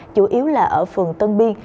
chủ yếu là ở phường tân biên